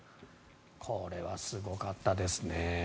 これはすごかったですね。